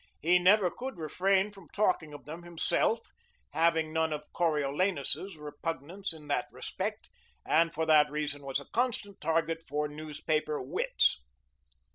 He never could refrain from talking of them himself, having none of Coriolanus's repugnance in that respect, and for that reason was a constant target for newspaper wits.